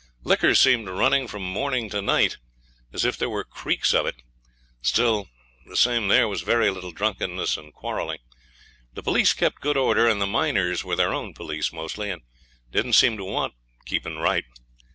Liquor seemed running from morning to night, as if there were creeks of it; all the same there was very little drunkenness and quarrelling. The police kept good order, and the miners were their own police mostly, and didn't seem to want keeping right.